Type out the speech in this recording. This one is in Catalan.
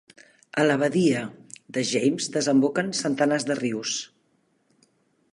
A la badia de James desemboquen centenars de rius.